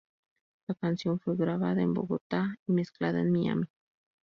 La canción fue grabada en Bogotá y mezclada en Miami.